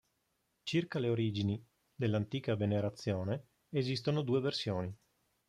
Circa le origini dell'antica venerazione, esistono due versioni.